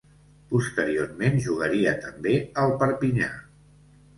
Posteriorment jugaria també al Perpinyà.